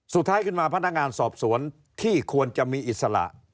สุดท้ายขึ้นมาพนักงานสอบสวนที่ควรจะมีอิสระ